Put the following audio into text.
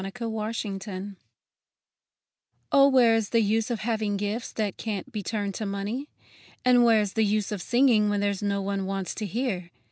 WHERE'S THE USE Oh, where's the use of having gifts that can't be turned to money? And where's the use of singing, when there's no one wants to hear?